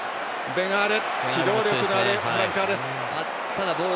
ベン・アール機動力のあるフランカーです。